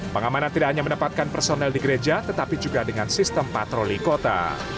pengamanan tidak hanya mendapatkan personel di gereja tetapi juga dengan sistem patroli kota